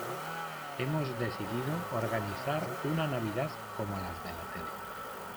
hemos decidido organizar una Navidad como las de la tele